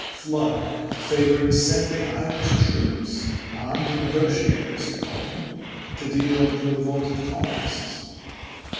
Flood favored sending Irish troops, "armed negotiators" he called them, to deal with the revolted colonists.